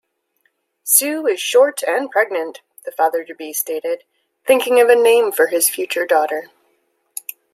"Sue is short and pregnant", the father-to-be stated, thinking of a name for his future daughter.